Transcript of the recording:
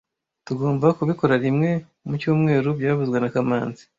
Tugomba kubikora rimwe mu cyumweru byavuzwe na kamanzi